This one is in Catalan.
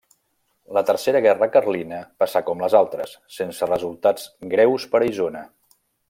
La Tercera guerra carlina passà com les altres: sense resultats greus per a Isona.